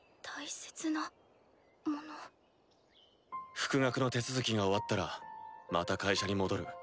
復学の手続きが終わったらまた会社に戻る。